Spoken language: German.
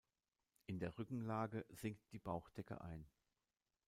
In der Rückenlage sinkt die Bauchdecke ein.